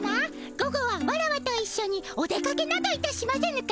午後はワラワといっしょにお出かけなどいたしませぬか？